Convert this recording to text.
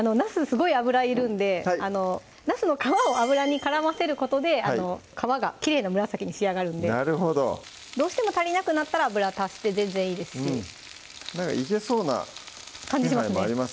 すごい油いるんではいナスの皮を油に絡ませることで皮がきれいな紫に仕上がるんでなるほどどうしても足りなくなったら油足して全然いいですしいけそうな感じしますね